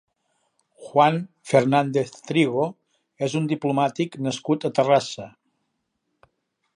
Juan Fernández Trigo és un diplomàtic nascut a Terrassa.